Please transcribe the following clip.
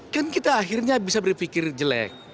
kan kita akhirnya bisa berpikir jelek